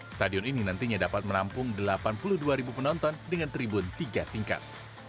stadion ini nantinya dapat menampung delapan puluh dua ribu penonton dengan tribun tiga tingkat